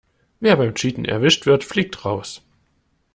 Wer beim Cheaten erwischt wird, fliegt raus.